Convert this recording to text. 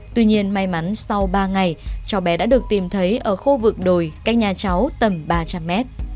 tuy nhiên may mắn sau ba ngày cháu bé đã được tìm thấy ở khu vực đồi cách nhà cháu tầm ba trăm linh mét